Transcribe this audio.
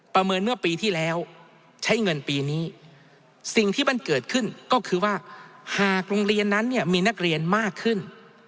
เมื่อปีที่แล้วใช้เงินปีนี้สิ่งที่มันเกิดขึ้นก็คือว่าหากโรงเรียนนั้นเนี่ยมีนักเรียนมากขึ้น